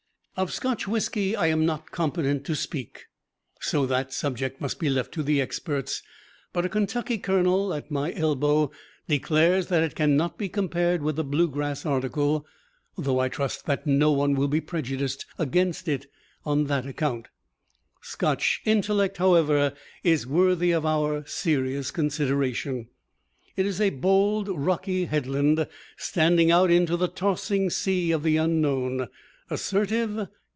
Of Scotch whisky I am not competent to speak, so that subject must be left to the experts. But a Kentucky colonel at my elbow declares that it can not be compared with the Blue Grass article; though I trust that no one will be prejudiced against it on that account. Scotch intellect, however, is worthy of our serious consideration. It is a bold, rocky headland, standing out into the tossing sea of the Unknown. Assertive?